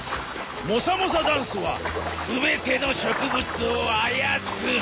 モサモサダンスは全ての植物を操る。